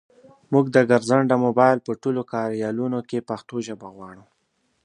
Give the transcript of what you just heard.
مونږ د ګرځنده مبایل په ټولو کاریالونو کې پښتو ژبه غواړو.